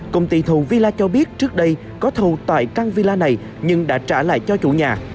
công ty thù villa cho biết trước đây có thầu tại căn villa này nhưng đã trả lại cho chủ nhà